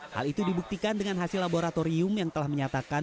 hal itu dibuktikan dengan hasil laboratorium yang telah menyatakan